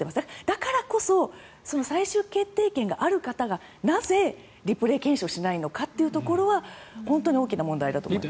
だからこそ最終決定権がある方がなぜリプレー検証しないのかというところは本当に大きな問題だと思います。